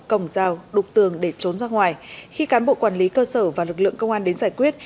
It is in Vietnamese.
cổng rào đục tường để trốn ra ngoài khi cán bộ quản lý cơ sở và lực lượng công an đến giải quyết